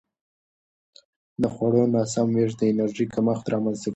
د خوړو ناسم وېش د انرژي کمښت رامنځته کوي.